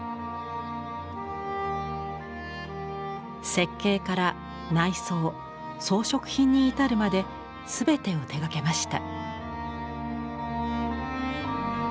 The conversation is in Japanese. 設計から内装装飾品に至るまで全てを手がけました。